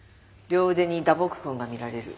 両腕に打撲痕が見られる。